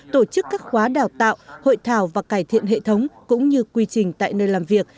tổ chức các khóa đào tạo hội thảo và cải thiện hệ thống cũng như quy trình tại nơi làm việc